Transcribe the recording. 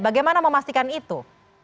bagaimana memastikan itu